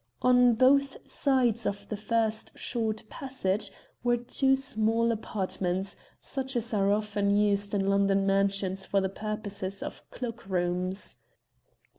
On both sides of the first short passage were two small apartments, such as are often used in London mansions for the purposes of cloak rooms.